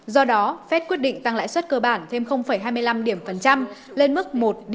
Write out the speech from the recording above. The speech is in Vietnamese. do đó fed quyết định tăng lại xuất cơ bản thêm hai mươi năm lên mức một một hai mươi năm